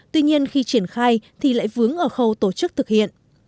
tuy nhiên khi triển khai thì lại vướng ở khâu tổ chức thực hiện